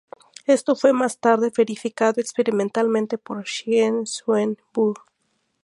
Esto fue más tarde verificado experimentalmente por Chien-Shiung Wu.